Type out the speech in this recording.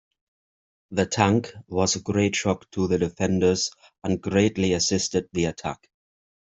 The tank was a great shock to the defenders and greatly assisted the attack.